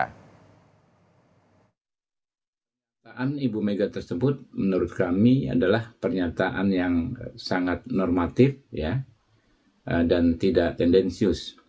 pertanyaan ibu mega tersebut menurut kami adalah pernyataan yang sangat normatif dan tidak tendensius